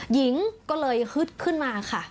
หญิงก็เลยฮึดขึ้นมาค่ะ